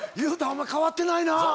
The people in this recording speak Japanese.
お前変わってないな。